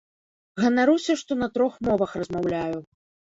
Ганаруся, што на трох мовах размаўляю.